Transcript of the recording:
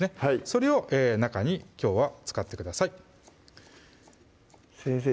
それを中にきょうは使ってください先生